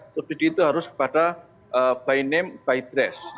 subsidi itu harus kepada by name by dress